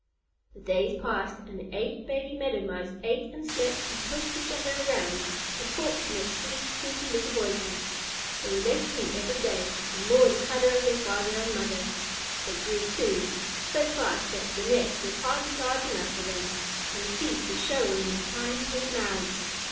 The days passed, and the eight baby Meadow Mice ate and slept and pushed each other around, and talked in their sweet, squeaky little voices. They were less pink every day and more the color of their father and mother. They grew, too, so fast that the nest was hardly large enough for them, and the teeth were showing in their tiny pink mouths.